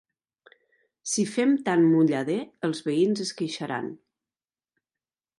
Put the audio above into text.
Si fem tant mullader, els veïns es queixaran.